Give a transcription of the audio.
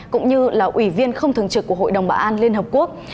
cũng như là ủy viên không thường trực của hội đồng bảo an liên hợp quốc